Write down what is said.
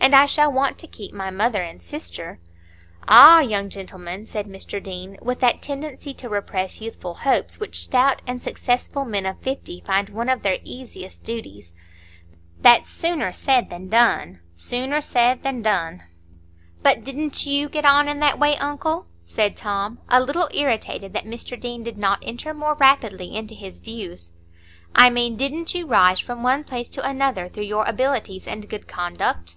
And I shall want to keep my mother and sister." "Ah, young gentleman," said Mr Deane, with that tendency to repress youthful hopes which stout and successful men of fifty find one of their easiest duties, "that's sooner said than done,—sooner said than done." "But didn't you get on in that way, uncle?" said Tom, a little irritated that Mr Deane did not enter more rapidly into his views. "I mean, didn't you rise from one place to another through your abilities and good conduct?"